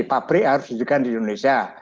pabrik harus didirikan di indonesia